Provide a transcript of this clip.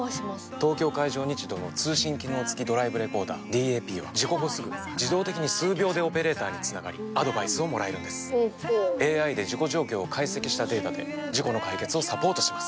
東京海上日動の通信機能付きドライブレコーダーＤＡＰは事故後すぐ自動的に数秒でオペレーターにつながりアドバイスをもらえるんですＡＩで事故状況を解析したデータで事故の解決をサポートします